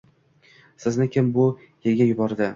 Sizni kim bu erga yubordi